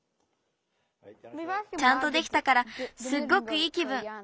ちゃんとできたからすっごくいいきぶん。